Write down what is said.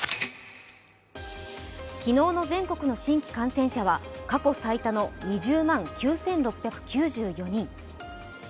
昨日の全国の新規感染者は過去最多の２０万９６９４人。